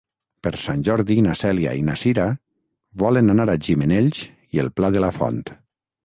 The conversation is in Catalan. Per Sant Jordi na Cèlia i na Cira volen anar a Gimenells i el Pla de la Font.